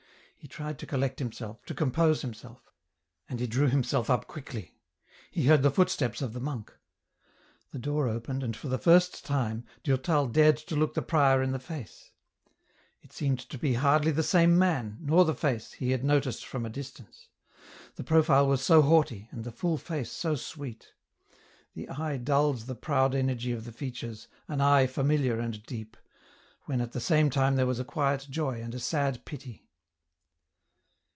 He tried to collect himself, to compose himself — and he drew himself up quickly ; he heard the footsteps of the monk. The door opened, and, for the first time, Durtal dared to look the prior in the face ; it seemed to be hardly the same man, nor the face, he had noticed from a distance ; the profile was so haughty, and the full face so sweet ; the eye dulled the proud energy of the features, an eye familiar and deep, when at the same time there was a quiet joy and a sad pity.